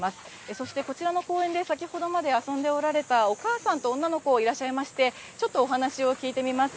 そしてこちらの公園で先ほどまで遊んでおられたお母さんと女の子いらっしゃいまして、ちょっとお話を聞いてみます。